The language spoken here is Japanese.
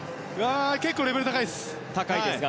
結構、レベルが高いです。